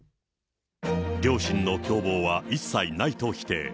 両親の共謀は一切ないと否定。